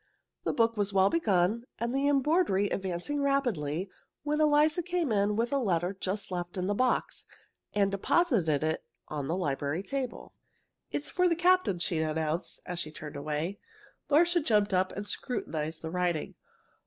The book was well begun and the embroidery advancing rapidly, when Eliza came in with a letter just left in the box, and deposited it on the library table. "It's for the captain," she announced, as she turned away. Marcia jumped up and scrutinized the writing.